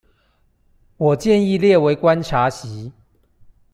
我建議列為觀察席